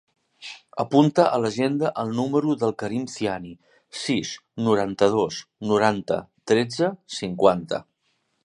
Apunta a l'agenda el número del Karim Ziani: sis, noranta-dos, noranta, tretze, cinquanta.